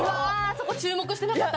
そこ注目してなかった。